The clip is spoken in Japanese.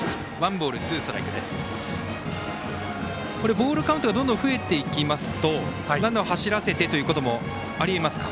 ボールカウントがどんどん増えていきますとランナーを走らせてということもありえますか？